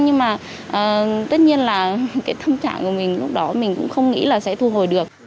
nhưng mà tất nhiên là cái tâm trạng của mình lúc đó mình cũng không nghĩ là sẽ thu hồi được